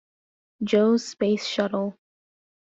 Joe's space shuttle.